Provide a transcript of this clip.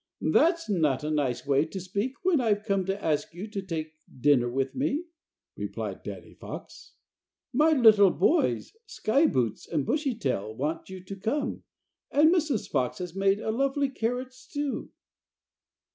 "That's not a nice way to speak when I've come to ask you to take dinner with us," replied Danny Fox. "My little boys, Slyboots and Bushytail, want you to come, and Mrs. Fox has made a lovely carrot stew."